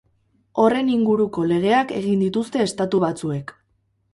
Horren inguruko legeak egin dituzte estatu batzuek.